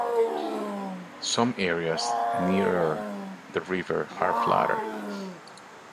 Some areas nearer the river are flatter.